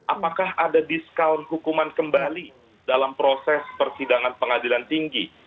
apakah ada diskaun hukuman kembali dalam proses persidangan pengadilan tinggi